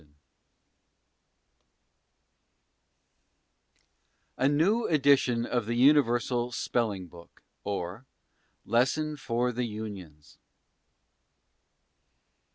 A New Edition of the Universal SPELLING BOOK, OR A Lesson for the Unions.